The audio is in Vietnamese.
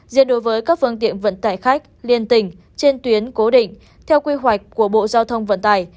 diện đối với các phương tiện vận tải khách liên tỉnh trên tuyến cố định theo quy hoạch của bộ giao thông vận tải